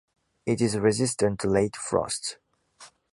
It is resistant to late frosts.